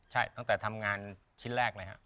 ใช่ตั้งแต่ทำงานชิ้นแรกเลยครับ